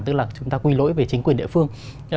tức là chúng ta quy lỗi về chính quyền địa phương